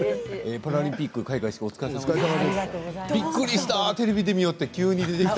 パラリンピック開会式お疲れさまでした。